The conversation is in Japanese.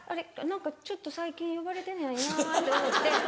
何かちょっと最近呼ばれてないなって思って。